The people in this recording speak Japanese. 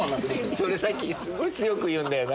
それすごい強く言うんだよな。